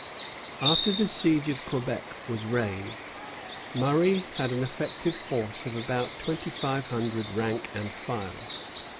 After the siege of Quebec was raised, Murray had an effective force of about twenty five hundred rank and file.